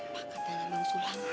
apa ketenangan usulang